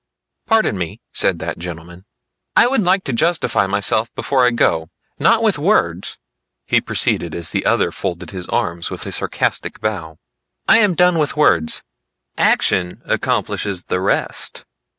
"Pardon me," said that gentleman, "I would like to justify myself before I go. Not with words," he proceeded as the other folded his arms with a sarcastic bow. "I am done with words; action accomplishes the rest.